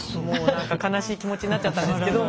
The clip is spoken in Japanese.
何か悲しい気持ちになっちゃったんですけど。